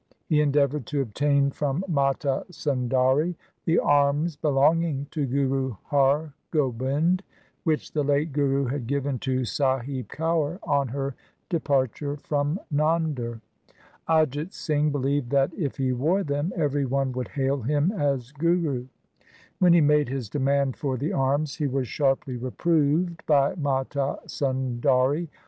He endeavoured to obtain from Mata Sundari the arms belonging to Guru Har Gobind, which the late Guru had given to Sahib Kaur on her departure from Nander. Ajit Singh believed that if he wore them, every one would hail him as Guru. When he made his demand for the arms he was sharply reproved by Mata Sundari.